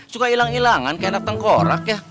suka ilang ilangan kayak anak tengkorak ya